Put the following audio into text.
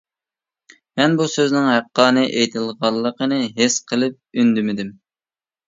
مەن بۇ سۆزنىڭ ھەققانىي ئېيتىلغانلىقىنى ھېس قىلىپ ئۈندىمىدىم.